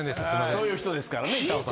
そういう人ですからね板尾さん。